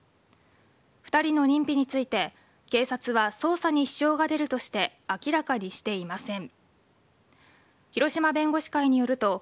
２人の認否について警察は捜査に支障が出るとして明らかにしていません。